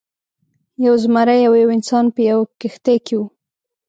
یو زمری او یو انسان په یوه کښتۍ کې وو.